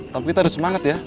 tapi kita harus semangat ya